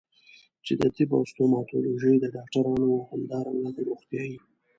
چې د طب او ستوماتولوژي د ډاکټرانو او همدارنګه د روغتيايي